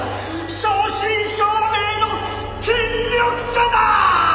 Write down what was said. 正真正銘の権力者だー！